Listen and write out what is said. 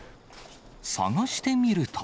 探してみると。